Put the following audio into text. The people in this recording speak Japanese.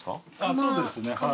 そうですねはい。